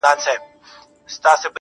• د شرابو خُم پر سر واړوه یاره.